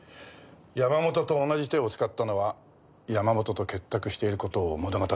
山本と同じ手を使ったのは山本と結託している事を物語ってます。